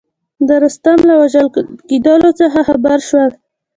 د رستم له وژل کېدلو څخه خبر شول.